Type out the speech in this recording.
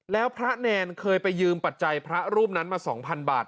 แล้วพระแนนเคยไปยืมปัจจัยพระรูปนั้นมา๒๐๐บาท